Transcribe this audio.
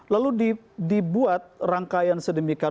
lalu dibuat rangkaian sedemikian